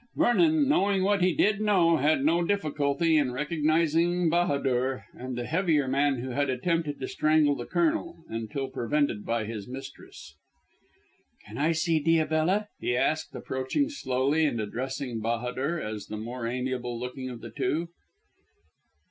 Vernon, knowing what he did know, had no difficulty in recognising Bahadur and the heavier man who had attempted to strangle the Colonel, until prevented by his mistress. "Can I see Diabella?" he asked, approaching slowly and addressing Bahadur as the more amiable looking of the two.